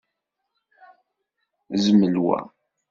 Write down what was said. Zmel wa.